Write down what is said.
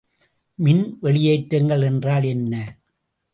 மின் வெளியேற்றங்கள் என்றால் என்ன?